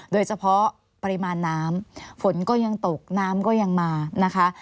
โดยเฉพาะปริมาณน้ำฝนก็ยังตกน้ำก็ยังมานะคะ